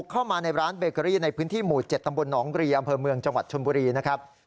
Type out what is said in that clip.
เธอมาโวยวายแบบนี้นะครับ